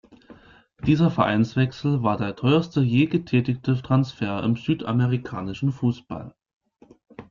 Dieser Vereinswechsel war der teuerste je getätigte Transfer im südamerikanischen Fußball.